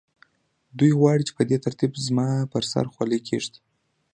دوی غواړي چې په دې ترتیب زما پر سر خولۍ کېږدي